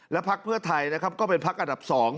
พักเพื่อไทยนะครับก็เป็นพักอันดับ๒